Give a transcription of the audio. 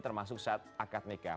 termasuk saat akad nikah